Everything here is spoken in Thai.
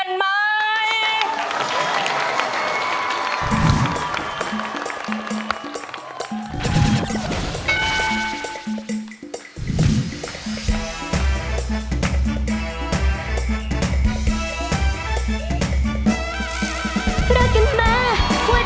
ใจรองได้ช่วยกันรองด้วยนะคะ